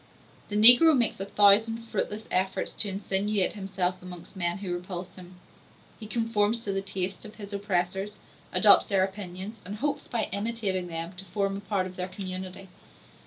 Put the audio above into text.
The negro makes a thousand fruitless efforts to insinuate himself amongst men who repulse him; he conforms to the tastes of his oppressors, adopts their opinions, and hopes by imitating them to form a part of their community.